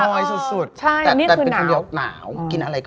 ไม่ได้เลยแบบเย็นสบาย